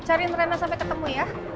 cari interna sampai ketemu ya